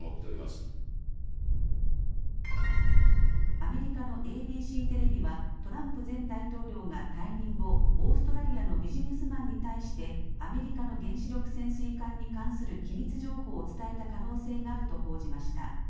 アメリカのＡＢＣテレビはトランプ前大統領が退任後オーストラリアのビジネスマンに対してアメリカの原子力潜水艦に関する機密情報を伝えた可能性があると報じました。